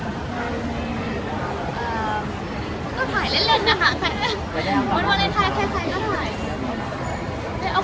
ก็แบบก็เอามาถ่ายเล่นก็มีหลายครึ่ง